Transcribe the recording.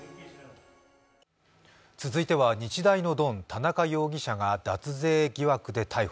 続いては日大のドン、田中容疑者が脱税疑惑で逮捕。